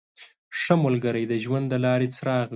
• ښه ملګری د ژوند د لارې څراغ وي.